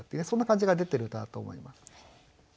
そんな感じが出てる歌だと思います。